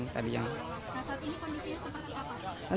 nah saat ini kondisinya seperti apa